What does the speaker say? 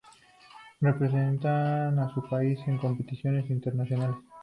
Representan a su país en competiciones internacionales.